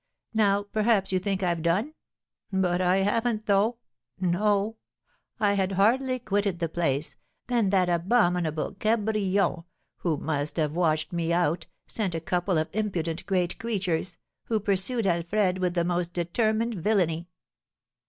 Now, perhaps, you think I've done? But I haven't, though. No; I had hardly quitted the place, than that abominable Cabrion, who must have watched me out, sent a couple of impudent great creatures, who pursued Alfred with the most determined villainy.